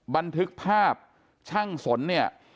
บันทึกภาพช่างสนเนี่ย